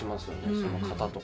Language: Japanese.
その型とか。